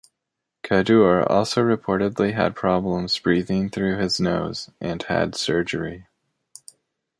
Kaddour also reportedly had problems breathing through his nose and had surgery.